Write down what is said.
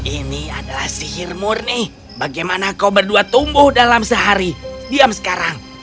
ini adalah sihir murni bagaimana kau berdua tumbuh dalam sehari diam sekarang